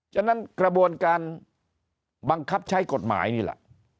ฉะนั้นกระบวนการบังคับใช้กฎหมายนี่แหละ